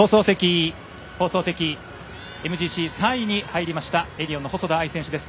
放送席ＭＧＣ、３位に入りましたエディオンの細田あい選手です。